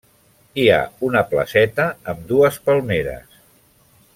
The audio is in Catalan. Hi ha una placeta amb dues palmeres.